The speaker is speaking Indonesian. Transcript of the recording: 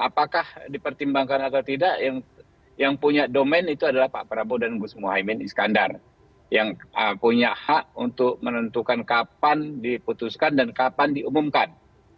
apakah dipertimbangkan atau tidak yang punya domain itu adalah pak prabowo dan gus muhaymin iskandar yang punya hak untuk menentukan kapan diputuskan dan kapan diumumkan